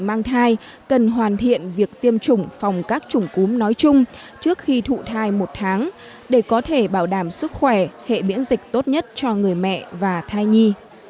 mang thai cần hoàn thiện việc tiêm chủng phòng các chủng cúm nói chung trước khi thụ thai một tháng để có thể bảo đảm sức khỏe hệ miễn dịch tốt nhất cho người mẹ và thai nhi